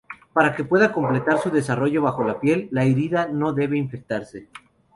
Para que pueda completar su desarrollo bajo la piel, la herida no debe infectarse.